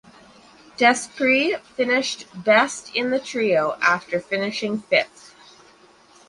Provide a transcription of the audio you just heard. Despres finished best in the trio after finishing fifth.